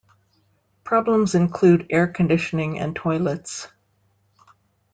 Problems included air conditioning and toilets.